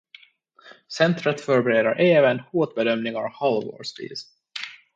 Centret förbereder även hotbedömningar halvårsvis.